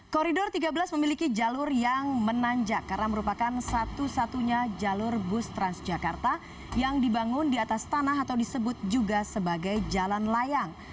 koridor tiga belas memiliki jalur yang menanjak karena merupakan satu satunya jalur bus transjakarta yang dibangun di atas tanah atau disebut juga sebagai jalan layang